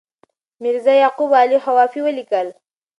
میرزا یعقوب علي خوافي ولیکل.